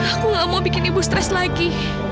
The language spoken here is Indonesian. aku gak mau bikin ibu stres lagi